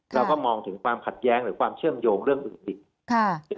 เราก็มองถึงความขัดแย้งหรือความเชื่อมโยงเรื่องอื่นอีก